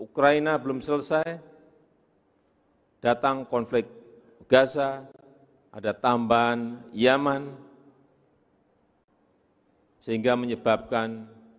ukraina belum selesai datang konflik gaza ada tambahan yaman sehingga menyebabkan